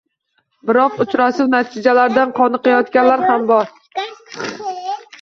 Biroq, uchrashuv natijalaridan qoniqayotganlar ham bor